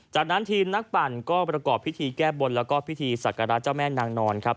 จากนั้นทีมนักปั่นก็ประกอบพิธีแก้บนแล้วก็พิธีศักระเจ้าแม่นางนอนครับ